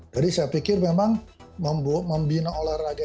jadi saya pikir memang membina olahraga